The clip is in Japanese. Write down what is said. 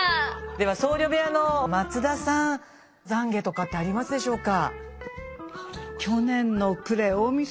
では僧侶部屋の松田さん懺悔とかってありますでしょうか？